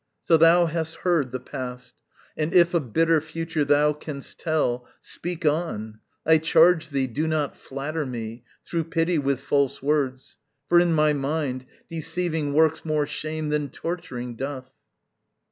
So thou hast heard the past, And if a bitter future thou canst tell, Speak on. I charge thee, do not flatter me Through pity, with false words; for, in my mind, Deceiving works more shame than torturing doth.